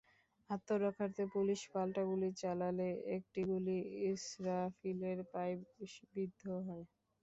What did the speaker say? আত্মরক্ষার্থে police পাল্টা গুলি চালালে একটি গুলি ইসরাফিলের পায়ে বিদ্ধ হয়।